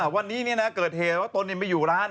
วันนี้เกิดเหตุว่าตนไม่อยู่ร้าน